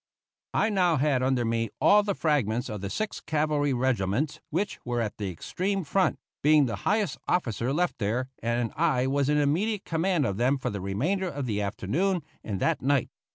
I now had under me all the fragments of the six cavalry regiments which were at the extreme front, being the highest officer left there, and I was in immediate command of them for the remainder of the afternoon and that night.